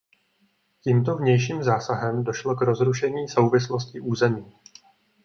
Tímto vnějším zásahem došlo k rozrušení souvislosti území.